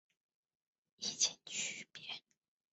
异腈区别。